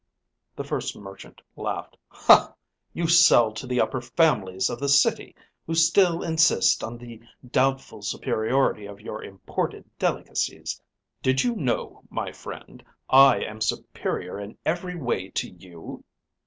The first merchant laughed. "You sell to the upper families of the City, who still insist on the doubtful superiority of your imported delicacies. Did you know, my friend, I am superior in every way to you?